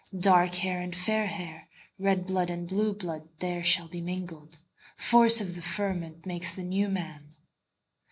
Dark hair and fair hair, Red blood and blue blood, There shall be mingled; Force of the fermentMakes the New Man.